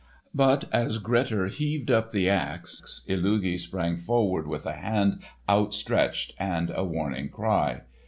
But as Grettir heaved up the axe, Illugi sprang forward with a hand outstretched and a warning cry.